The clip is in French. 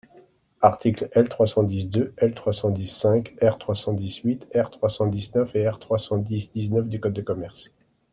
Articles L. trois cent dix deux, L. trois cent dix cinq, R. trois cent dix huit, R. trois cent dix neuf et R trois cent dix dix-neuf du code de commerce.